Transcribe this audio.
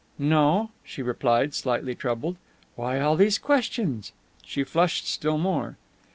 "No," she replied, slightly troubled. "Why all these questions?" She flushed still more.